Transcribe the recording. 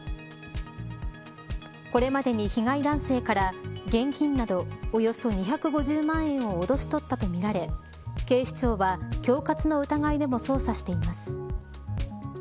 これまでに被害男性から現金など、およそ２５０万円を脅し取ったとみられ警視庁は、恐喝の疑いでも捜査しています。